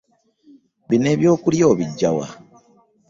Bino eb'okulya obijja wa.